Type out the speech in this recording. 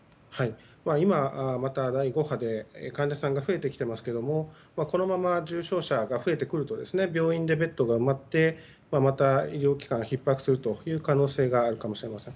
今、また第５波で患者さんが増えてきていますがこのまま重症者が増えてくると病院のベッドが埋まってまた、医療機関がひっ迫する可能性があるかもしれません。